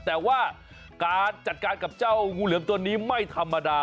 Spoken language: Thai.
แต่ว่าการจัดการกับเจ้างูเหลือมตัวนี้ไม่ธรรมดา